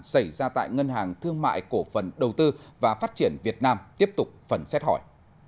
xảy ra tại ngân hàng thương mại cổ phần đầu tư và phát triển việt nam tiếp tục phần xét hỏi